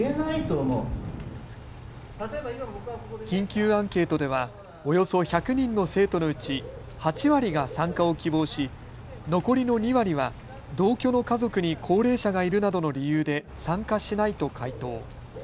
緊急アンケートではおよそ１００人の生徒のうち８割が参加を希望し残りの２割は同居の家族に高齢者がいるなどの理由で参加しないと回答。